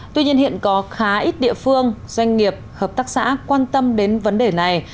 tuy nhiên hiện có khá ít địa phương doanh nghiệp hợp tác xã quan tâm đến vấn đề này